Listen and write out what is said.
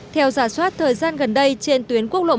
theo giả soát thời gian gần đây trên tuyến quốc lộ một